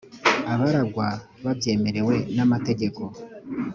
abaragwa babyemerewe n’amategeko,